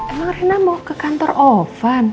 emang rina mau ke kantor ovan